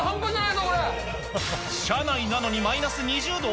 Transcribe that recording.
社内なのにマイナス２０度？